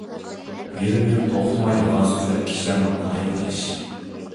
يېرىم يىل توختىماي يالغان سۆزلەپ كىشىلەرنى قايىل قىلىش.